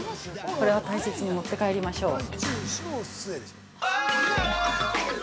これは大切に持って帰りましょう。